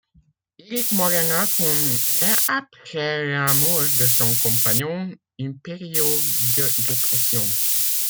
Éric Morena connaît, après la mort de son compagnon, une période de dépression.